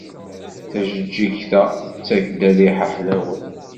Tajeǧǧigt-a tettak-d rriḥa ḥlawen.